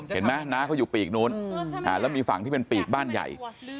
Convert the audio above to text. เห็นไหมน้าเขาอยู่ปีกนู้นแล้วมีฝั่งที่เป็นปีกบ้านใหญ่